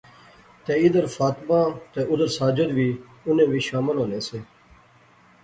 تہ ادھر فاطمہ تہ اُدھر ساجد وی انیں وچ شامل ہونے سے